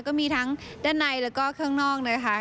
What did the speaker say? ก็มีทั้งด้านในแล้วก็ข้างนอกนะคะ